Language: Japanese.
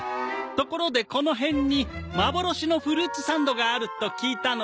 ところでこの辺にまぼろしのフルーツサンドがあると聞いたのですが。